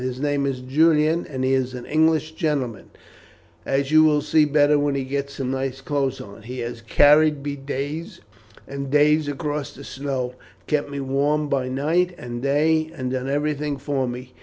His name is Julian, and he is an English gentleman, as you will see better when he gets some nice clothes on. He has carried me days and days across the snow, and kept me warm by night and day, and done everything for me.